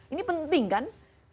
ini penting kan